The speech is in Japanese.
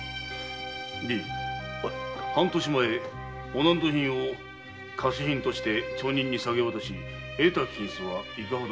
半年前御納戸品を下賜品として町人に下げ渡し得た金子はいかほどであった。